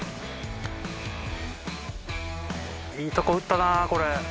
いいとこ打ったなこれ。